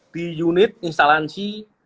di unit instalansi